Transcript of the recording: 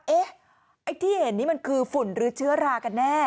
ไอ้ที่เห็นนี่มันคือฝุ่นหรือเชื้อรากันแน่